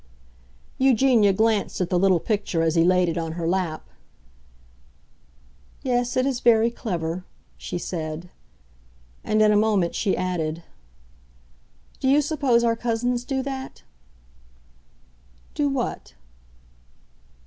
Eugenia glanced at the little picture as he laid it on her lap. "Yes, it is very clever," she said. And in a moment she added, "Do you suppose our cousins do that?" "Do what?"